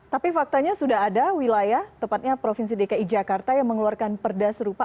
tapi faktanya sudah ada wilayah tepatnya provinsi dki jakarta yang mengeluarkan perda serupa